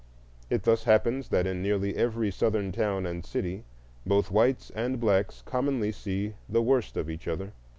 It thus happens that in nearly every Southern town and city, both whites and blacks see commonly the worst of each other.